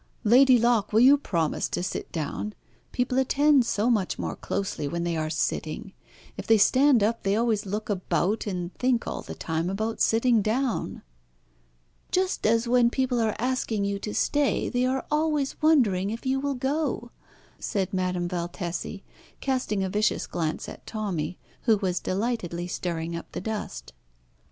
Lady Locke, will you promise to sit down? People attend so much more closely when they are sitting. If they stand up they always look about and think all the time about sitting down." "Just as when people are asking you to stay they are always wondering if you will go," said Madame Valtesi, casting a vicious glance at Tommy, who was delightedly stirring up the dust.